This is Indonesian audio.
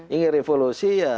ini revolusi ya